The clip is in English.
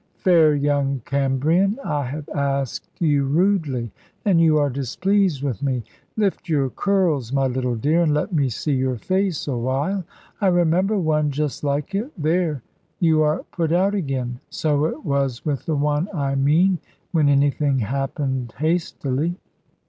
"Fair young Cambrian, I have asked you rudely, and you are displeased with me. Lift your curls, my little dear, and let me see your face a while. I remember one just like it. There, you are put out again! So it was with the one I mean when anything happened hastily."